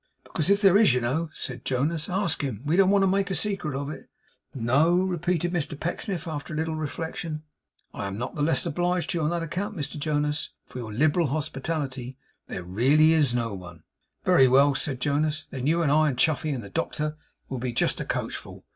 'Because if there is, you know,' said Jonas, 'ask him. We don't want to make a secret of it.' 'No,' repeated Mr Pecksniff, after a little reflection. 'I am not the less obliged to you on that account, Mr Jonas, for your liberal hospitality; but there really is no one.' 'Very well,' said Jonas; 'then you, and I, and Chuffey, and the doctor, will be just a coachful.